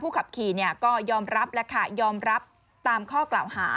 ขับขี่ก็ยอมรับแล้วค่ะยอมรับตามข้อกล่าวหา